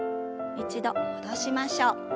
一度戻しましょう。